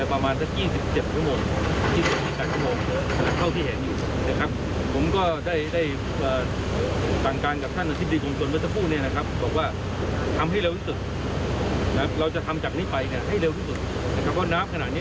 รหัส๑๕พัน